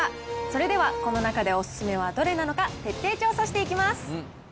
それではこの中でお勧めはどれなのか、徹底調査していきます。